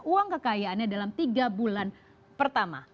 uang kekayaannya dalam tiga bulan pertama